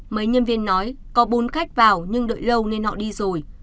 mấy nhân viên nói có bốn khách vào nhưng đợi lâu nên họ đi rồi